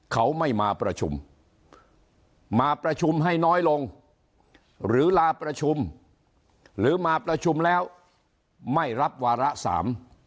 เขาไม่มาประชุมมาประชุมให้น้อยลงหรือลาประชุมหรือมาประชุมแล้วไม่รับวาระสาม